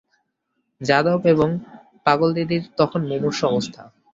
যাদব এবং পাগলদিদির তখন মুমূর্ষ অবস্থা।